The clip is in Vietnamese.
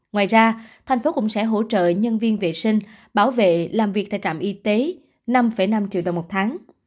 ngoài ra thành phố cũng sẽ hỗ trợ nhân viên vệ sinh bảo vệ làm việc tại trạm y tế năm năm triệu đồng một tháng